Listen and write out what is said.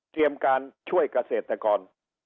เตรียมการช่วยเกษตรกร